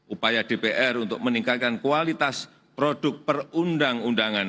upaya dpr untuk meningkatkan kualitas produk perundang undangan